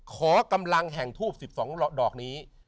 ขอกำลังแห่งทูบ๑๒ดอกนี้